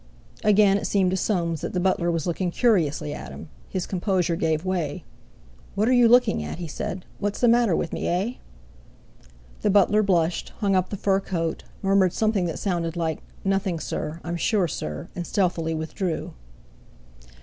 Again it seemed to Soames that the butler was looking curiously at him. His composure gave way. "What are you looking at?" he said. "What's the matter with me, eh?" The butler blushed, hung up the fur coat, murmured something that sounded like: "Nothing, sir, I'm sure, sir," and stealthily withdrew.